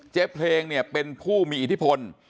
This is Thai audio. เจ๊เพลงเป็นผู้มีอิทธิพล